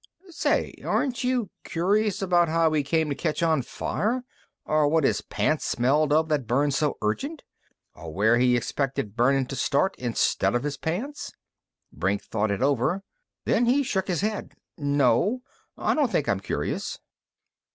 Say aren't you curious about how he came to catch on fire? Or what his pants smelled of that burned so urgent? Or where he expected burnin' to start instead of his pants?" Brink thought it over. Then he shook his head. "No. I don't think I'm curious."